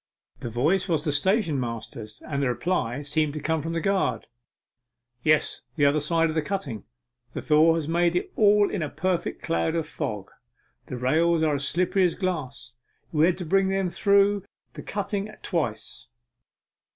The voice was the stationmaster's, and the reply seemed to come from the guard. 'Yes, the other side of the cutting. The thaw has made it all in a perfect cloud of fog, and the rails are as slippery as glass. We had to bring them through the cutting at twice.